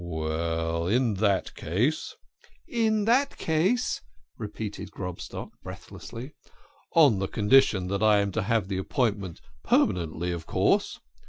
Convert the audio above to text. "Well, in that case "" In that case," repeated Grobstock breathlessly. " On condition that I am to have the appointment per manently, of course."